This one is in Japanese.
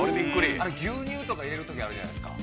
牛乳とか入れるときあるじゃないですか。